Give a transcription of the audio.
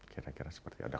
kira kira seperti ada